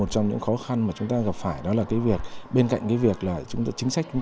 còn đang tâm lý thụ động